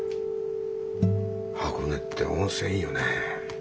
箱根って温泉いいよね